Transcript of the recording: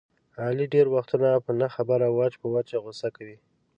علي ډېری وختونه په نه خبره وچ په وچه غوسه کوي.